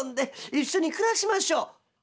一緒に暮らしましょう」。